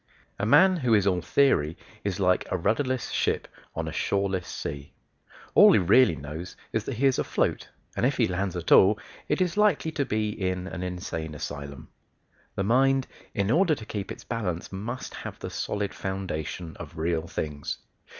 A man who is all theory is like "a rudderless ship on a shoreless sea." All he really knows is that he is afloat, and if he lands at all it is likely to be in an insane asylum. The mind, in order to keep its balance, must have the solid foundation of real things.